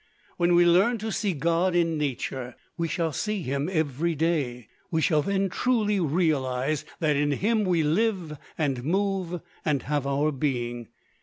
When we learn to see God in nature, we shall see him every day. We shall then truly realize that "in him we live and move and have our being."